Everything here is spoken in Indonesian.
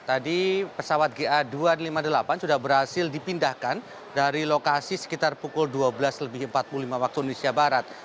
tadi pesawat ga dua ratus lima puluh delapan sudah berhasil dipindahkan dari lokasi sekitar pukul dua belas lebih empat puluh lima waktu indonesia barat